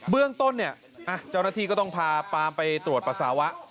เรื่องต้นเนี่ยเจ้าหน้าที่ก็ต้องพาปามไปตรวจปัสสาวะ